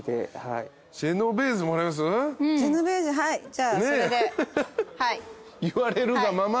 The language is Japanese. じゃあそれではい。